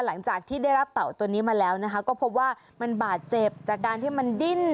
หลังจากที่ได้รับเต่าตัวนี้มาแล้วนะคะก็พบว่ามันบาดเจ็บจากการที่มันดิ้น